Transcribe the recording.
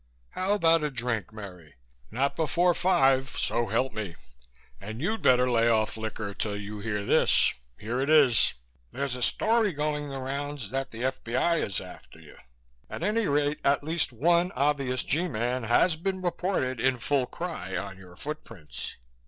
"How about a drink, Merry?" I asked, to keep in character. "Not before five, so help me, and you'd better lay off liquor till you hear this. Here it is. There's a story going the rounds that the F.B.I. is after you. At any rate, at least one obvious G man has been reported in full cry on your foot prints."